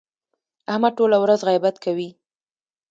احمد ټوله ورځ غیبت کوي.